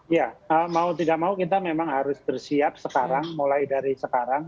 ya mau tidak mau kita memang harus bersiap sekarang mulai dari sekarang